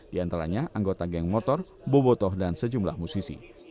di antaranya anggota geng motor bobotoh dan sejumlah musisi